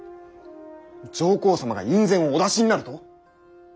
上皇様が院宣をお出しになると？